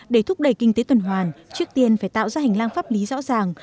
để thúc đẩy kinh tế tuần hoàn trước tiên phải tạo ra hành lang pháp lý rõ ràng